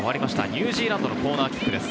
ニュージーランドのコーナーキックです。